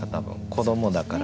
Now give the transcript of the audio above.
子どもだから。